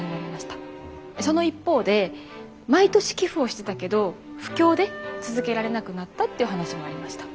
その一方で毎年寄付をしてたけど不況で続けられなくなったっていうお話もありました。